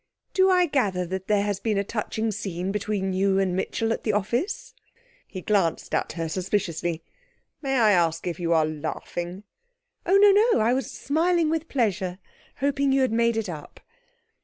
'Do I gather that there has been a touching scene between you and Mitchell at the office?' He glanced at her suspiciously. 'May I ask if you are laughing?' 'Oh, no, no! I was smiling with pleasure, hoping you had made it up.'